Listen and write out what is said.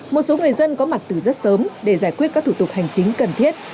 một số người dân có mặt từ rất sớm để giải quyết các thủ tục hành chính cần thiết